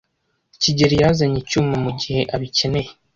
kigeli yazanye icyuma mugihe abikeneye.